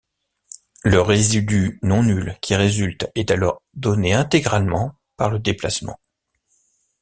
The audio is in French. Le résidu non nul qui résulte est alors donné intégralement par le déplacement.